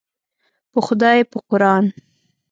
په خدای په قوران.